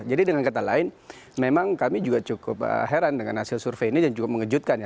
jadi dengan kata lain memang kami juga cukup heran dengan hasil survei ini dan cukup mengejutkan ya